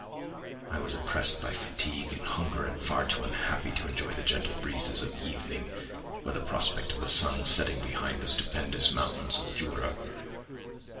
I was oppressed by fatigue and hunger and far too unhappy to enjoy the gentle breezes of evening or the prospect of the sun setting behind the stupendous mountains of Jura.